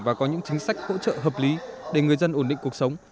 và có những chính sách hỗ trợ hợp lý để người dân ổn định cuộc sống